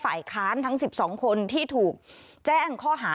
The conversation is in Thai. ฝ่ายค้านทั้ง๑๒คนที่ถูกแจ้งข้อหา